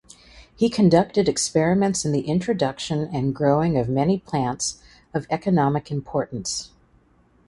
He conducted experiments in the introduction and growing of many plants of economic importance.